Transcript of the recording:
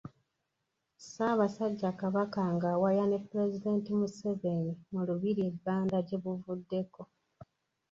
Ssaabasajja Kabaka ng'awaya ne pulezidenti Museveni mu lubiri e Banda gye buvuddeko.